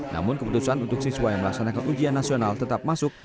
namun keputusan untuk siswa yang melaksanakan ujian nasional tetap masuk